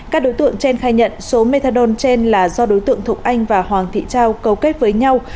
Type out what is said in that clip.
các đối tượng trên khai nhận số methadon trên là do đối tượng thục anh và hoàng thị trao cầu kết với nhau